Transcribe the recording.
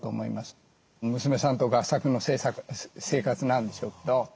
娘さんと合作の生活なんでしょうけど。